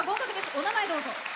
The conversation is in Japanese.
お名前、どうぞ。